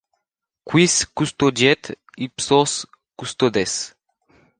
Quis custodiet ipsos custodes?